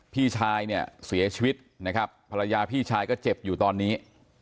พี่ชายเนี่ยเสียชีวิตนะครับภรรยาพี่ชายก็เจ็บอยู่ตอนนี้